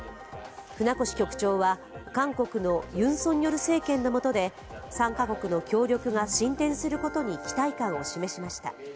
船越局長は、韓国のユン・ソンニョル政権のもとで３カ国の協力が進展することに期待感を示しました。